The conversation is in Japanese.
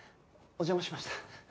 お邪魔しました。